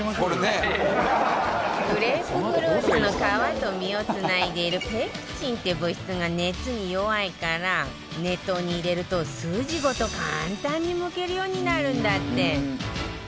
グレープフルーツの皮と身をつないでいるペクチンって物質が熱に弱いから熱湯に入れると筋ごと簡単にむけるようになるんだって